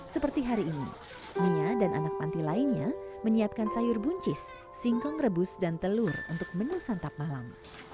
seperti hari ini nia dan anak panti lainnya menyiapkan sayur buncis singkong rebus dan telur untuk menu santap malam